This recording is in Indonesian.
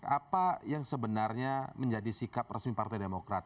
apa yang sebenarnya menjadi sikap resmi partai demokrat